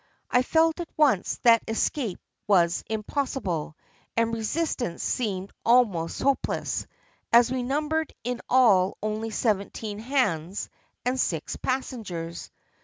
I felt at once that escape was impossible, and resistance seemed almost hopeless, as we numbered in all only seventeen hands and six passengers.